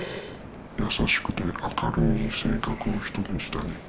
優しくて明るい性格の人でしたね。